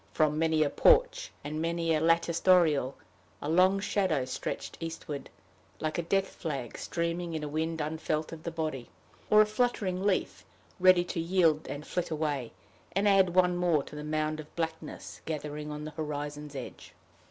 From many a porch, and many a latticed oriel, a long shadow stretched eastward, like a death flag streaming in a wind unfelt of the body or a fluttering leaf, ready to yield, and flit away, and add one more to the mound of blackness gathering on the horizon's edge.